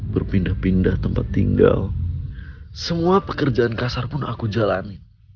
berpindah pindah tempat tinggal semua pekerjaan kasar pun aku jalanin